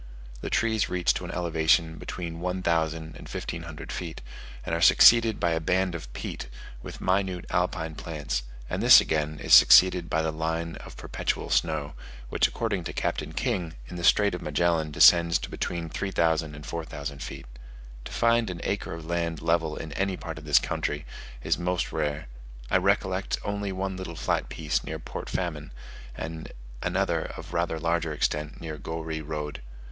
The trees reach to an elevation of between 1000 and 1500 feet, and are succeeded by a band of peat, with minute alpine plants; and this again is succeeded by the line of perpetual snow, which, according to Captain King, in the Strait of Magellan descends to between 3000 and 4000 feet. To find an acre of level land in any part of the country is most rare. I recollect only one little flat piece near Port Famine, and another of rather larger extent near Goeree Road.